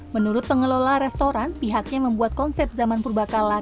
menurut pengelola restoran pihaknya membuat konsep zaman purba kala